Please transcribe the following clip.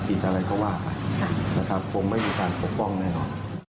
ผิดอะไรก็ว่าไปนะครับคงไม่มีการปกป้องแน่นอน